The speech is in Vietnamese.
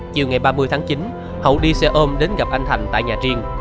chiều ngày ba mươi tháng chín hậu đi xe ôm đến gặp anh thành tại nhà riêng